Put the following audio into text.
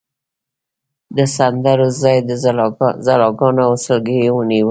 د سندرو ځای ژړاګانو او سلګیو ونیو.